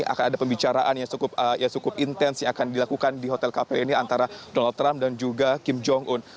akan ada pembicaraan yang cukup intens yang akan dilakukan di hotel kpu ini antara donald trump dan juga kim jong un